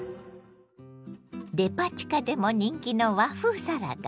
デパ地下でも人気の和風サラダ。